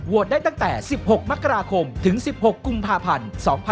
ได้ตั้งแต่๑๖มกราคมถึง๑๖กุมภาพันธ์๒๕๖๒